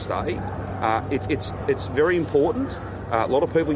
akhirnya ada tempat untuk stays yang pendek